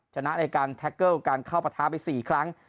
ชนะในการแท็กเกิลการเข้าประท้าไป๔ครั้ง